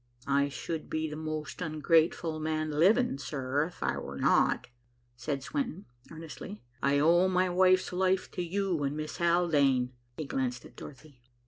"I should be the most ungrateful man living, sir, if I were not," said Swenton earnestly. "I owe my wife's life to you and Miss Haldane." He glanced at Dorothy.